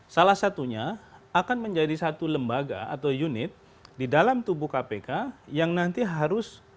salah satunya akan menjadi satu lembaga atau unit di dalam tubuh kpk yang nanti harus